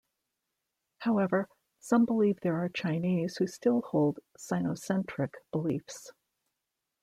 However, some believe there are Chinese who still hold Sinocentric beliefs.